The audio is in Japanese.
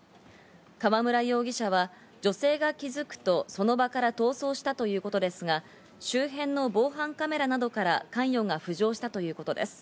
河村容疑者は女性が気づくとその場から逃走したということですが、周辺の防犯カメラなどから関与が浮上したということです。